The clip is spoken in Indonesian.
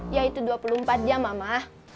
ya itu dua puluh empat jam mama